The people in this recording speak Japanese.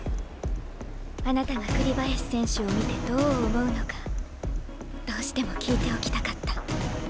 あなたが栗林選手を見てどう思うのかどうしても聞いておきたかった。